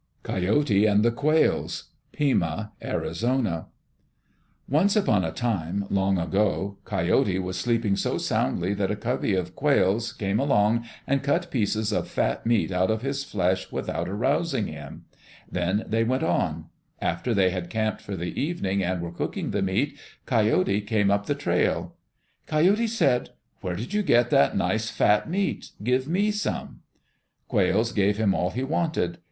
Coyote and the Quails Pima (Arizona) Once upon a time, long ago, Coyote was sleeping so soundly that a covey of quails came along and cut pieces of fat meat out of his flesh without arousing him. Then they went on. After they had camped for the evening, and were cooking the meat, Coyote came up the trail. Coyote said, "Where did you get that nice, fat meat? Give me some." Quails gave him all he wanted.